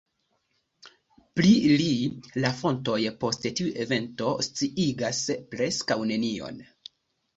Pri li la fontoj, post tiu evento, sciigas preskaŭ nenion.